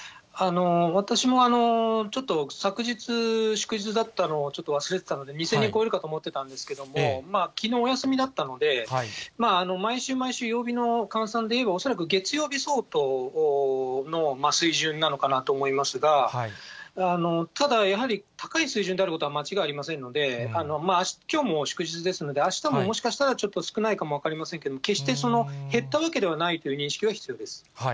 私もちょっと昨日、祝日だったのをちょっと忘れてたので、２０００人を超えるかと思ってたんですけれども、きのうお休みだったので、毎週毎週、曜日の換算でいえば恐らく月曜日相当の水準なのかなと思いますが、ただやはり、高い水準であることは間違いありませんので、きょうも祝日ですので、あしたももしかしたらちょっと少ないかも分かりませんけれども、決して減ったわけではないという認識は必要です。